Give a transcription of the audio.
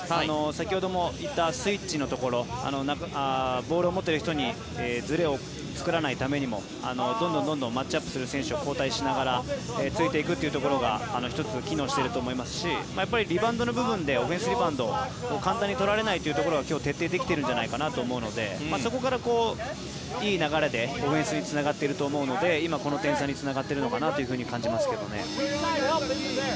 先ほども言ったスイッチのところボールを持っている人にずれを作らないためにもどんどんマッチアップする選手を交代しながらついていくというところが１つ、機能していると思いますしやっぱりリバウンドの部分でオフェンスリバウンドを簡単に取られないところが徹底できているんじゃないかなと思うのでそこからいい流れでオフェンスにつながっていると思うので今、この点差につながっているのかなと感じますけどね。